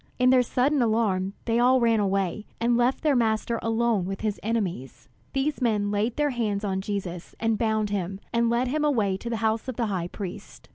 In their sudden alarm they all ran away, and left their Master alone with his enemies. These men laid their hands on Jesus, and bound him, and led him away to the house of the high priest.